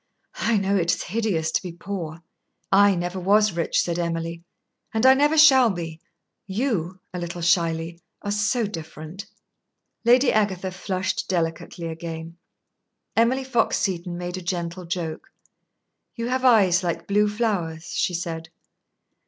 "I know it is hideous to be poor." "I never was rich," said Emily, "and I never shall be. You" a little shyly "are so different." Lady Agatha flushed delicately again. Emily Fox Seton made a gentle joke. "You have eyes like blue flowers," she said.